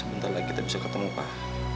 bentar lagi kita bisa ketemu pak